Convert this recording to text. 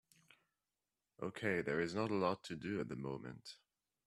Okay, there is not a lot to do at the moment.